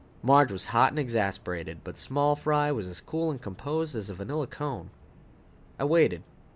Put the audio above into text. Marge was hot and exasperated, but small fry was as cool and composed as a vanilla cone. I waited.